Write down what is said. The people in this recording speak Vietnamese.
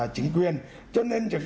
chính quyền cho nên